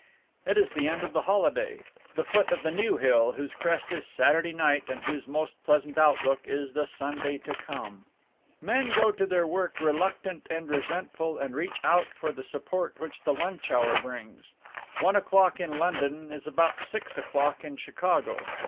It is the end of the holiday, the foot of the new hill whose crest is Saturday night and whose most pleasant outlook is the Sunday to come. Men go to their work reluctant and resentful and reach out for the support which the lunch hour brings. One o'clock in London is about six o'clock in Chicago.